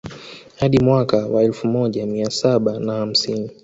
Hadi mwaka wa elfu moja mia saba na hamsini